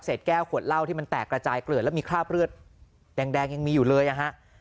แก้วขวดเหล้าที่มันแตกระจายเกลือดแล้วมีคราบเลือดแดงยังมีอยู่เลยนะฮะ